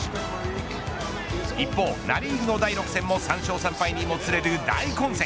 一方、ナ・リーグの第６戦も３勝３敗にもつれる大混戦。